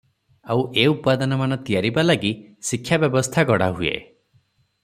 ଆଉ ଏ ଉପାଦାନମାନ ତିଆରିବା ଲାଗି ଶିକ୍ଷା ବ୍ୟବସ୍ଥା ଗଢ଼ାହୁଏ ।